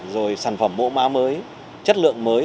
rồi sản phẩm mẫu máu mới chất lượng mới